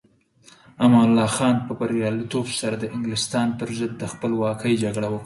امان الله خان په بریالیتوب سره د انګلستان پر ضد د خپلواکۍ جګړه وکړه.